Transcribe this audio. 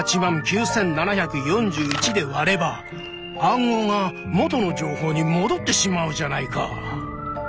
９１８９７４１で割れば暗号が「元の情報」にもどってしまうじゃないか。